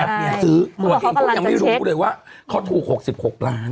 แต่เมียซื้อตัวเองก็ยังไม่รู้เลยว่าเขาถูก๖๖ล้าน